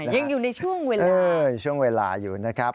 ยังอยู่ในช่วงเวลาช่วงเวลาอยู่นะครับ